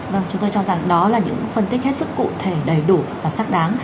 vâng chúng tôi cho rằng đó là những phân tích hết sức cụ thể đầy đủ và xác đáng